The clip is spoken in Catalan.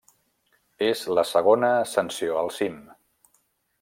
És la segona ascensió al cim.